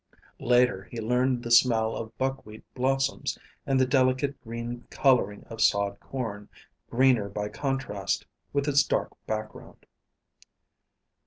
Later he learned the smell of buckwheat blossoms, and the delicate green coloring of sod corn, greener by contrast with its dark background.